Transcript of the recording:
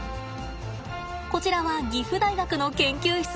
こちらは岐阜大学の研究室です。